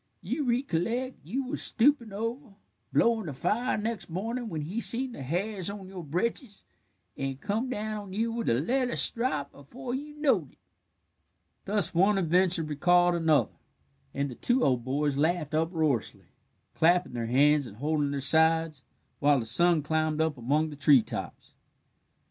You ricolleck you was stoopin' over, blowin' the fire, next mornin', when he seen the hairs on your britches, an' come down on you with the leather strop afore you knowed it." Thus one adventure recalled another, and the two old boys laughed uproariously, clapping their hands and holding their sides, while the sun climbed up among the treetops.